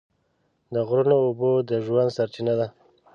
د غرونو اوبه د ژوند سرچینه ده.